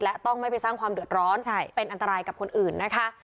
และต้องไม่ไปสร้างความเดือดร้อนเป็นอันตรายกับคนอื่นนะคะ